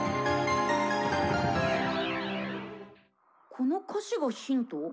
「この歌詞がヒント？」。